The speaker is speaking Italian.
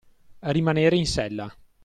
Rimanere in sella.